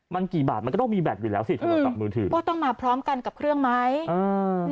มันกี่บาทมันก็ต้องมีแบตอยู่แล้วสิอืมก็ต้องมาพร้อมกันกับเครื่องไม้อืม